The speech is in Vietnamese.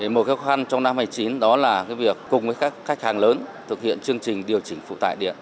một khó khăn trong năm hai nghìn chín đó là việc cùng với các khách hàng lớn thực hiện chương trình điều chỉnh phụ tải điện